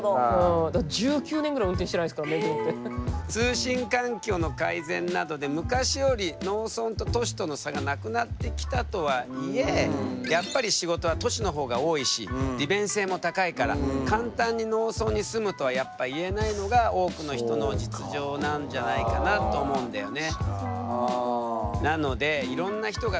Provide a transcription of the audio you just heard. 通信環境の改善などで昔より農村と都市との差がなくなってきたとはいえやっぱり仕事は都市の方が多いし利便性も高いから簡単に農村に住むとはやっぱ言えないのが多くの人の実情なんじゃないかなと思うんだよね。